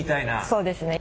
そうですね。